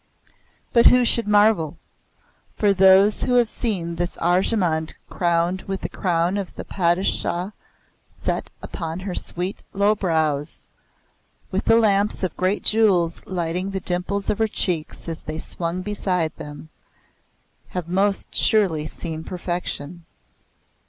But who should marvel? For those who have seen this Arjemand crowned with the crown the Padishah set upon her sweet low brows, with the lamps of great jewels lighting the dimples of her cheeks as they swung beside them, have most surely seen perfection.